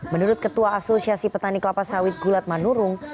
menurut ketua asosiasi petani kelapa sawit gulat manurung